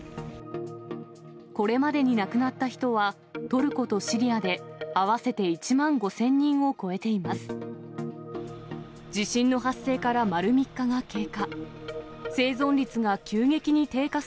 これまでに亡くなった人は、トルコとシリアで合わせて１万５０００人を超えています。